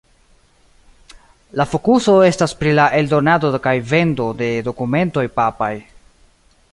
La fokuso estas pri la eldonado kaj vendo de dokumentoj papaj.